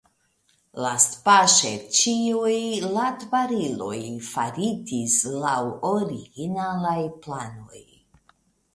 Lastpaŝe ĉiuj latbariloj faritis laŭ originalaj planoj.